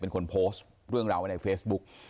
เป็นคนโพสต์เรื่องราวไว้ในเฟซบุ๊ก